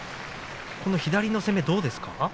左の攻め、どうですか。